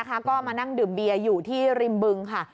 ก็มานั่งดื่มเบียร์อยู่ที่ริมบึงค่ะ